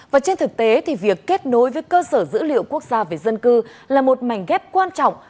và trên thực tế thì việc kết nối với cơ sở dữ liệu quốc gia về dân cư là một mảnh ghép quan trọng